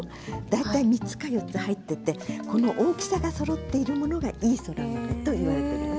大体３つか４つ入っててこの大きさがそろっているものがいいそら豆と言われているの。